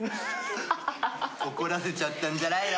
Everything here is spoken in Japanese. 怒らせちゃったんじゃないの？